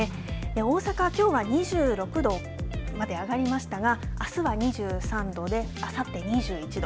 大阪、きょうは２６度まで上がりましたがあすは２３度であさって２１度。